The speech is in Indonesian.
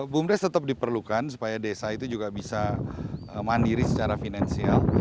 bumdes tetap diperlukan supaya desa itu juga bisa mandiri secara finansial